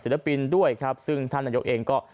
ปินด้วยครับซึ่งท่านนายกเองก็